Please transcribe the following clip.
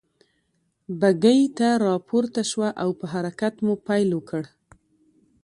بګۍ ته را پورته شوه او په حرکت مو پيل وکړ.